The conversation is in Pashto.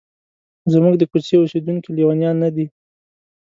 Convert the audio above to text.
زموږ د کوڅې اوسیدونکي لیونیان نه دي.